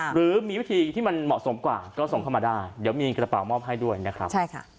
หรือมีวิธีที่มันเหมาะสมกว่าก็ส่งเข้ามาได้เดี๋ยวมีกระเป๋ามอบให้ด้วยนะครับ